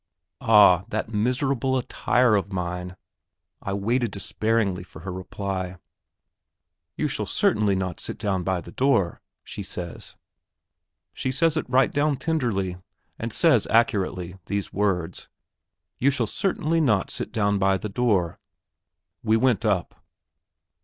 Ah, that miserable attire of mine! I waited despairingly for her reply. "You shall certainly not sit down by the door," she says. She says it right down tenderly, and says accurately these words: "You shall certainly not sit down by the door." We went up.